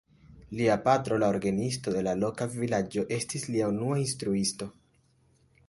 Lia patro, la orgenisto de la loka vilaĝo, estis lia unua instruisto.